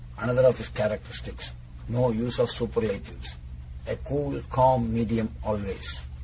Another of his characteristics no use of superlatives. A cool calm medium always.